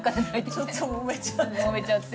ちょっともめちゃって。